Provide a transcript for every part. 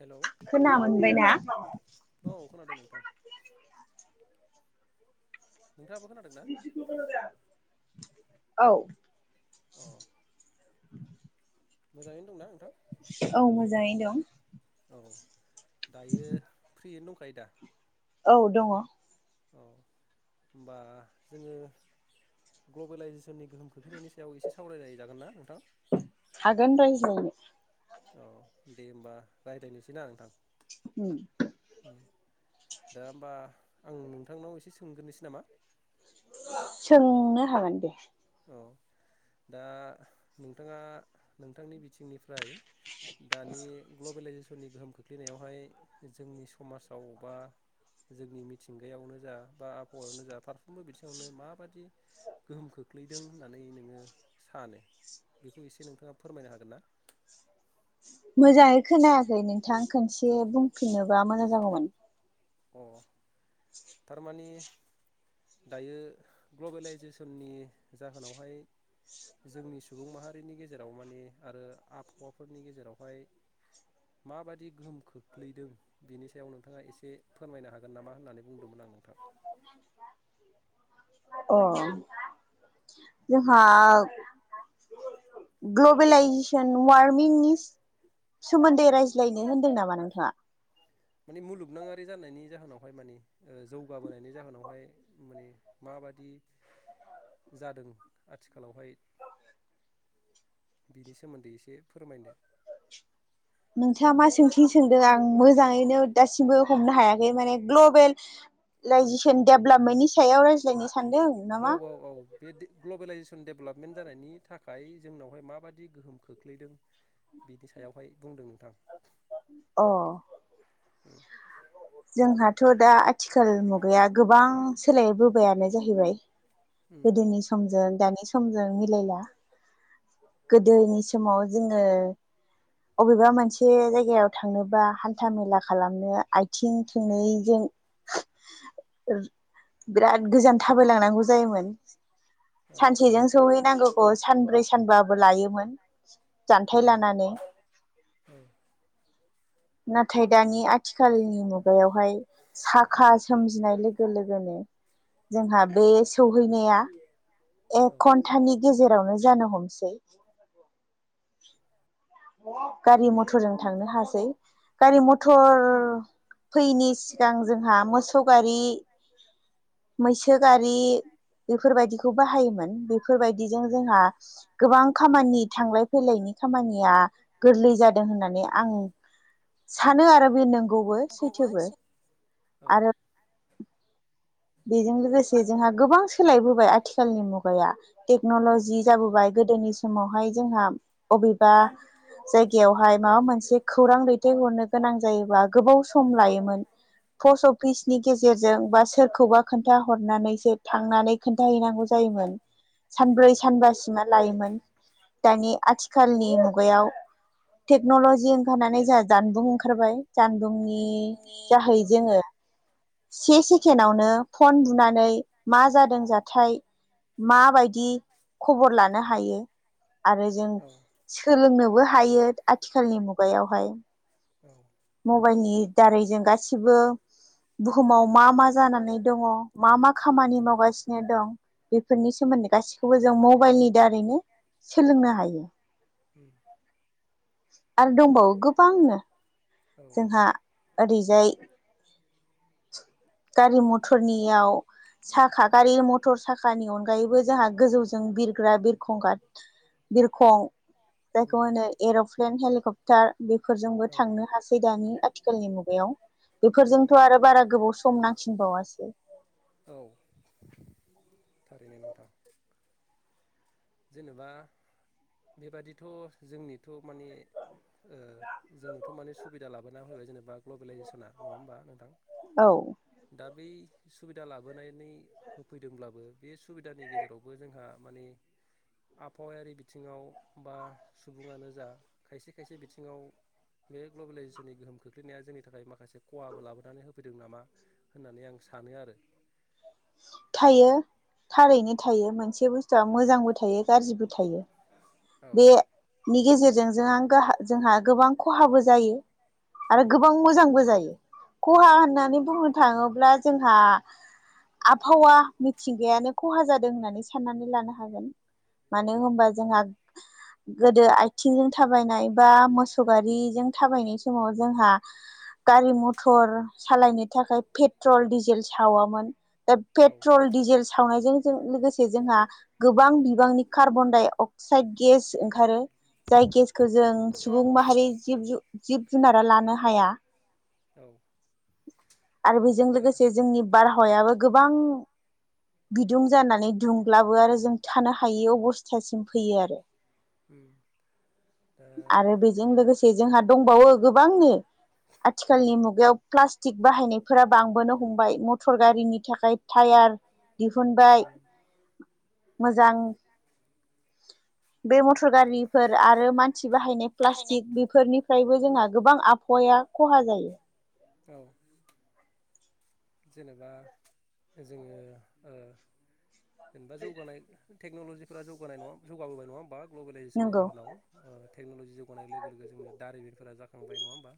Hello खोना मोनबायना? औ खोनादों नोंथां नोंथाङाबो खोनादों ना [unintelligible] औ अह मोजाङैनो दंना नोंथां? औ मोजाङैनो दं। औ दायो फ्रियैनो दंखायो दा? औ दङ। औ होमबा जोङो ग्लबेलाइजेसननि गोहोम खोख्लैनायनि सायाव एसे सावरायलाय जागोन ना नोंथां हागोन रायज्लायनो औ दे होमबा रायज्लायनोसै ना नोंथां उम [unintelligible] दा होमबा आं नोंथांनाव एसे सोंग्रोनोसै नामा? सोंनो हागोन दे औ दा नोंथाङा नोंथांनि बिथिंनिफ्राय दानि ग्लबेलायजेस ननि गोहोम खोख्लैनायावहाय जोंनि समाजाव बा जोंनि मिथिंगायावनो जा बा आबहावायावनो जा फारफ्रोमबो बिथिङावनो माबादि गोहोम खो खोख्लैदों होननानै नोङो सानो बेखौ एसे नोंथाङा फोरमायनो हागोन ना? मोजाङै खोनायाखै नोंथां खोनसे बुंफिनोबा मोजां जागौमोन। अ तारमाने दायो ग्लबेलाइजेसननि जाहोनावहाय जोंनि सुबुं माहारिनि गेजेराव माने आरो आबहावाफोरनि गेजेरावहाय माबादि गोहोम खोख्लैदों बिनि सायाव नोंथाङा एसे फोरमायनो हागोन नामा होन्नानै बुंदोंमोन आं। नोंथां अ जोंहा ग्लबेलाइजेसन वारमिंनि सोमोन्दै रायज्लायनो होन्दों नामा नोंथाङा? माने मुलुगनाङारि जानायनि जाहोनावहाय माने ओ जौगाबोनायनि जाहोनावहाय उ माने मा बादि जादों आथिखालावहाय बिनि सोमोन्दै एसे फोरमायनो नोंथाङा मा सोंथिं सोंदों आं मोजाङैनो दासिमबो हमनो हायाखै माने ग्लबेल लाइजेसन डेभलपमेन्टनि सायाव रायज्लायनो सानदों नामा औ औ औ बे दे ग्लबेेलइजेसन डेभलप [unintelligible] जानायनि थाखाय जोंनावहाय माबायदि गोहोम खोख्लैदों बिनि सायावहाय बुंदों नोंथां। अ। [inaudible] जोंहाथ दा आथिखाल मुगाया गोबां सोलायबोबायानो जाहैबाय उम गोदोनि समजों दानि समजों मिलायला गोदोनि समाव जोङो अबेबा मोनसे जायगायाव थांनोबा हान्था मेला खालामनो आ थिं थोंनैजों बिराद गोजान थाबायलांनांगौ जायोमोन। औ सानसेजों सौहैनांगौ अ सानब्रै सानबाबो लायोमोन जान्थाय औ लानानै। औ नाथाय दानि आथिखालनि मुगायावहाय साखा सोमजिनाय लो लोगो लोगोनो जोंहा बे औ सौहैनाया औ एक घन्टानि गेजेरावनो जानो हमसै। [inaudible] गारि मथरजों थांनो हासै गारि मथर थार फैयिनि सिगां जोंहा मोसौ गारि मैसो गारि बेफोरबायदिखौ बाहायोमोन बेफोरबायदिजों जोंहा गोबां खामानि थांलाय फैलायनि खामानि गोरलै जादों होननानै आं सानोआरो बे नंगौबो गौबो औ सैथोबो औ आरो बेजों लोगोसे जोंहा गोबां सोलायबोबाय आथिखालनि मुगाया औ टेक्नलजि जाबोबाय गोदोनि समावहाय जोंहा अबेबा जायगायावहाय माबा मोनसे खौरां दैथायहरनो गोनां जायोबा गोबाव स सम लायोमोन पस अफिसनि गेजेरजों बास सोरखौबा खोन खिथा हरनानैसो थांनानै खोन्थाहैनांगौ जायोमोन सानब्रै औ सानबासिमा लायोमोन दानि आथिखालनि मुगायाव टेक्नलजि ओंखारनानै जा जानबुं ओंखारबाय जानबुंनि उम जाहै जोङो से सेकेनावनो फन बुनानै मा जादों जाथाय माबायदि खबर लानो हायो आरो जों सोलोंनोबो हा हायो आथिखालनि मुगायावहाय औ मबाइलनि दारै जों गासिबो बुहुमाव मा मा जानानै दङ मा मा खामानि मावगासिनो दं बेफोरनि सोमोन्दै गासिखौबो जों मबाइलनि दारैनो सोलोंनो हायो। उम [inaudible] आरो दंबावो गोबांनो जोंहा ओरैजाय गारि मथरनियाव साखा गारि मथर साखानि अनगायैबो जोंहा गोजौजों बिरग्रा बिरखंग बिरखं उम जायखौ होनो एरप्लेन हेलिकप तार बेफोरजोंबो औ थांनो हासै दानि आथिखालनि मुगायाव औ बेफोरजोंथ आरो बारा गोबाव सम नाखिन बावासो औ थारैनो नोंथां जेनेबा बेबादिथ जोंनि थ माने ओ जोंनोथ माने सुबिदा लाबोना होबाय जेनेबा ग्लबेेलाइजेसना नङा होमबा नोंथां औ दा बै सुबिदा लाबोनानै होफैदोंब्लाबो बे सुबिदानि गेजेरावबो जोंहा माने आबहावायारि बिथिङाव बा सुबुङानो जा खायसे खायसे बिथिङाव बे ग्लबेलाइजेसननि गोहोम खोख्लैनाया जोंनि थाखाय माखासे खहाबो लाबोनानै होफैदों नामा होननानै आं सानो आरो। थायो थारैनो थायो मोनसे बे बुस्थुआ मोजांबो थायो गाज्रिबो थायो औ बेनि गेजेर जों जों आं गोहा जोंहा गोबां खहाबो जायो। आरो औ गोबां मोजांबो जायो। खहा होन्नानै बुंनो थाङोब्ला जोंहा आभावा मिथिंगायानो खहा जादों होन्नानै सान्नानै लानो हागोन। मानो होनबा जोंहा गोदो आथिंजों थाबायनाय बा मोसौ गारिजों थाबायनाय समाव जोंहा गारि मथर सालायनो थाखाय पेट्रल, डिजेल सावामोन। औ पेट्रल, डिजेल सावनायजों जों लोगोसे जोंहा गोबां बिबांनि कार्बनदाय अक्साइड गेस ओंखारो। जाय गेसखौ जों सुबुं माहारि जिब जु जिब जुनारा लानो हाया। औ। आरो बेजों दा लोगोसे जोंनि बार हावायाबो गोबां बिदुं जानानै दुंब्लाबो आरो जों थानो हायि अबस्थासिम फैयो आरो उम दा आरो बेजों लोगोसे जोंहा दंबावो गोबांनो उम आथिखालनि मुगायाव प्लास बाहायनायफोरा बांबोनो हमबाय मटर गारिनि थाखाय थायार दिहुनबाय उम मोजां बे मथर गारि आरो मानसि बाहायनाय पटिक बेफोरनिफ्रायबो जोंहा गोबां आबहावाया खहा जायो। औ जेनेबा जोङो ओ जेनेबा जौगानाय टेकनलजिक फोरा जौगा नाय नङा जौगा बोबाय नङा ओम बा टेक ग्लबेलाइजेसननि नंगौ जाहोनाव ओ टेकनलजिक जुग गनाय लोगो लोगो जोंनो दारिमिनफोरा जाखांबाय नङा होनबा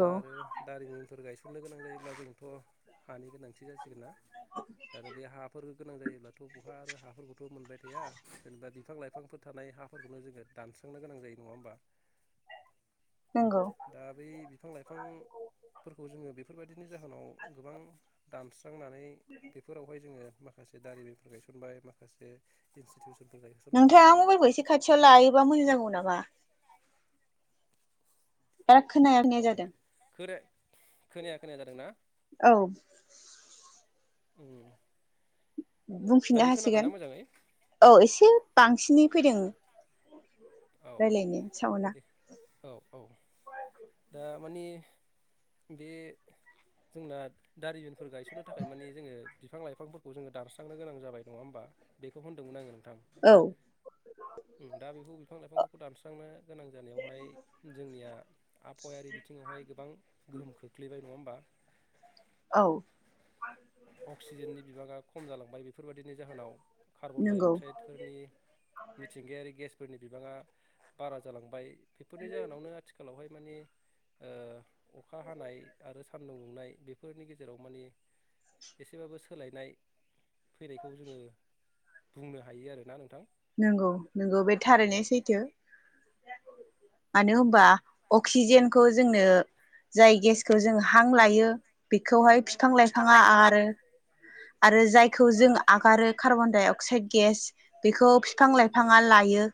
दा आरो दारिमिनफोर गाय साननो गोनां जायोब्ला जोंथ हानि गोनांथि जासिगोन ना आरो बे हाफोर गोनां जायोब्लाथ बहा आरो हाफोरखौथ मोनबाय थाया जेनेबा बिफां लाइफांफोर थानाय हाफोरखौनो जोङो दानस्रांनो गोनां जायो नङा होमबा नंगौ दा बे बि बिफां लाइफांफोरखौ जोङो बेफोरबायदिनि जाहोनाव गोबां दान्स सांनानै बेफोरावहाय जोङो माखासे दारिमिनफोर गायसनबाय माखासे इन्सि नोंथाङा मबाइलखौ एसे खाथियाव लायोबा मोजां जागौ नामा ओ खोनाया खोनाया औ जादो। खोना खोनाया खोनाया जादों ना? औ। उम। बुंफिन्नो दायो हासिगोन। खोनाबायना मोजाङै औ एसे बां स्नि फैदों औ रायलायनो सावुना दे औ औ दा मानिह बे जोंना दारिमिनफोर गायसननो थाखाय मानिह जोङो बिफां लाइफांफोरखौ जोङो दानस्रांनो गोनां जाबाय नङा होमबा बेखौ होन्दोंमोन आङो औ ओम दा बेखौ बिफां लाइफांफोरखौ दानस्रांनो गोनां जानायावहाय जोंनिया आबहावायारि बिथिंङावहाय गोबां गोहोम खोख्लैबाय नङा होमबा? औ। अक्सिजेननि बिबांङा खम जालांबाय बेफोरबादिनि जाहोनाव कार्बन डाइ नंगौ अक्साइडफोरनि मिथिंगायारि गेस बिबाङा बारा जालांबाय बिफोरनि जाहोनावनो आथिखालावहाय माने ओ अखा हानाय आरो सान्दुं संनाय बेफोरनि गेजेराव माने एसेबाबो सोलायनाय। फैनायखौ जोङो। बुंनो हायो आरो ना नोंथां। नंगौ नंगौ बे औ। थारैनाय सैथो। मानो होनबा अक्सिजेन जोंनो जाय गेसखौ जों हां लाय बेखौहाय [unintelligible] बिफां लाइफाङा आरो। आरो जायखौ जों आगारो कार्बनडाइ अक्साइड गेस बेखौ। बिफां लाइफाङा लायो।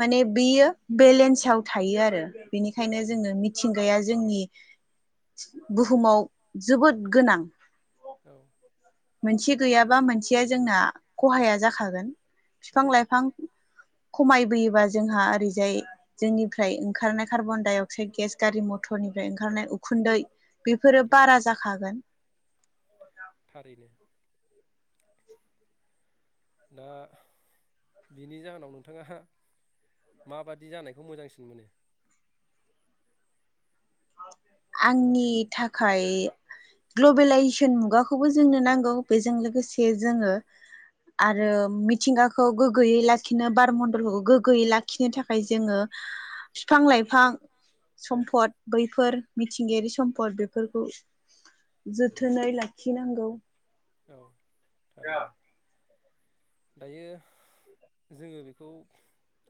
माने बियो। बेलेन्साव थायो आरो। बेनिखायनो जोंनो मिथिंगाया जोंनि बुहुमाव जोबोद गोनां। औ मोनसे गैयाबा मोनसेया जोंना खहाया जाखागोन। फिफां औ लाइफां खमायबोयोबा जोंहा ओरैजाय जोंनिफ्राय ओंखारनाय कार्बन दडाइ अक्साइड गेस गारि मटरनिफ्राय ओंखारनाय उखुन्दै बेफोरो बारा जाखागोन थारैनो दा बिनि जाहोनाव नोंथाङा माबादि जानायखौ मोजांसिन मोनो? आंनि थाखाय ग्लबेलाइजेसन मुगाखौबो जोंनो नांगौ बेजों लोगोसे जोङो आरो मिथिंगाखौ गोग्गोयै लाखिनो बार मन्दलफोरखौ गोग्गोयै लाखिनो थाखाय जोङो फिफां लाइफां सम्फद बैफोर मिथिंगायारि सम्पद बेफोरखौ जोथोनै लाखिनांगौ। औ थरैनो। दायो जोङो बेखौ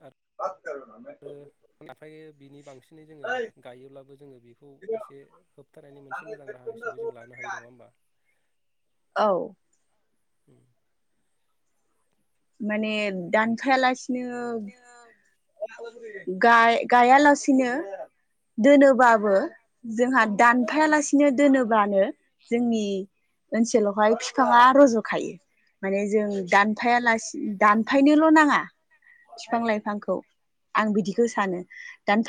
आरो आरो नाथाय बिनि बांसिनै जोङो गायोब्लाबो जोङो बेखौ एसे होबथानायनि मोनसे मोजां राहा हिसाबै जों लानो हायो नङा होमबा। औ उम माने दानफायालासि नोब गाय-गायालासिनो दोनोबाबो जोंहा दानफायालासिनो दोनोबानो जोंनि ओनसोलावहाय फिफाङा रजखायो। माने जों औ दानफायालासे दानफायनोल नाङा। औ फिफां लाइफांखौ। आं उम बिदिखौ सानो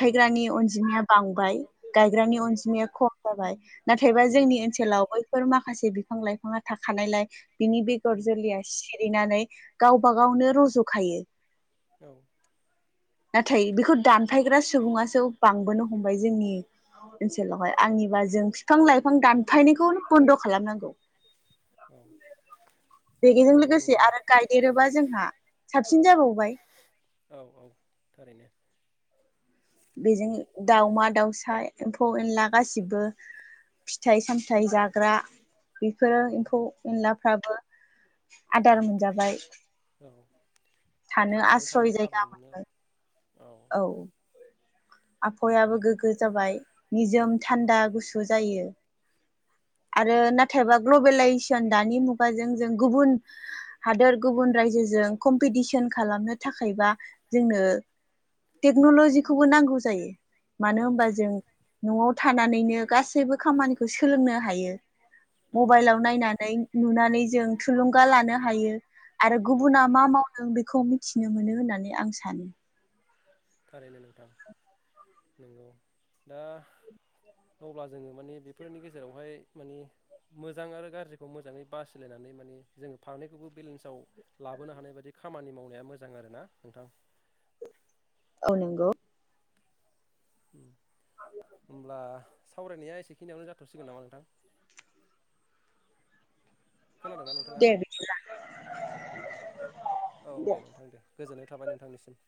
औ अनजिमाया बां बाय गायग्रानि औ अनजिमाया ख जाबाय नाथायबा औ जोंनि ओन्सोलाव बैफोर माखा माखासे बिफां लाइफाङा थाखानायलाय बिनि उम बेगरजोलैया सि हैनानै गावब गावनो रज'खायो। औ नाथाय बेखौ दानफायग्रा सुबुङासो बांबोनो हमबाय जोंनि ओन्सोलावहाय आंनिबा जों बिफां लाइफां दानफायनायखौ बन्द खालामनांगौ। औ बेजों नंगौ लोगोसे नोंथां आरो गायदेरोबा जोंहा साबसिन जाबावबाय औ औ थारैनो। बेजों दाउमा दाउसा एम्फौ एनला गासिबो फिथाइ सामथाइ जाग्रा बेफोरो औ एम्फौ एनला फ्राबो आदार मोनजाबाय [inaudible] थानो थांनानै थानो आस्रय खाबु जायगा मोनो मोनबाय। औ आफहावायाबो थारैनो गोगो जाबाय निजोम औ थान्दा गुसु जायो। आरो नाथायबा ग्लबेलाइजेसन दानि मुगाजों जों गुबुन हादोर गुबुन रायजोजों कम्पिटिसन खालामनो थाखायबा जोंनो टेक्नलजिखौबो नांगौ जा जायो मानो औ होमबा जों नआव थानानैनो गासैबो खामानिखौ सोलोंनो हायो। औ मबाइलाव नायनानै नुनानै जों थुलुंगा लानो हायो। आरो औ गुबुना मा मावदों बे खौ मिथिनो मोनो होननानै आं सानो। थारैनो नोंथां नोंगौ दा अब्ला जोङो माने बेफोरनि गेजेरावहाय माने मोजां आरो गाज्रिखौ मोजाङै बासिलायनानै माने जोङो फारनैखौबो बेलेन्सआव लाबोनो हानाय बादि खा खामानि मावनाया मोजां आरो ना नोंथां। औ नोंगौ। उम होमब्ला सावरायनाया एसेखिनियावनो जाथ'सिगोन नामा नोंथां? खोनादों ना नोंथाङा? दे औ दे नोंथां दे गोजोननाय थाबाय नोंथांनिसिम।